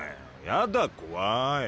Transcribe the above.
やだ怖い。